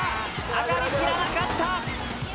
上がりきらなかった。